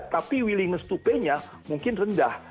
tapi willingness to pay nya mungkin rendah